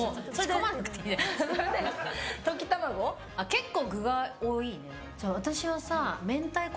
結構、具が多いね。